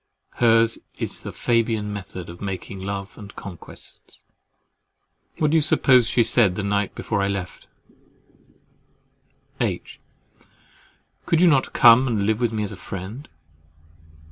Hers is the Fabian method of making love and conquests. What do you suppose she said the night before I left her? "H. Could you not come and live with me as a friend?